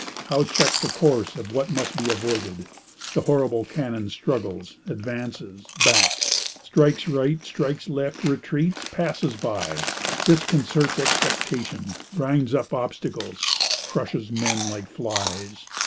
How check the course of what must be avoided? The horrible cannon struggles, advances, backs, strikes right, strikes left, retreats, passes by, disconcerts expectation, grinds up obstacles, crushes men like flies.